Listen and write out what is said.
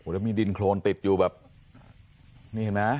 แล้วมีดินโครนติดอยู่แบบนี่เห็นไหม